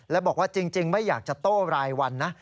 แล้วบอกว่าจริงไม่อยากจะโต้รายวันนะ